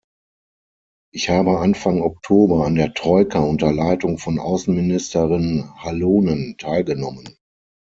Ich habe Anfang Oktober an der Troika unter Leitung von Außenministerin Halonen teilgenommen.